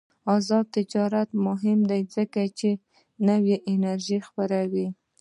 آزاد تجارت مهم دی ځکه چې نوې انرژي خپروي.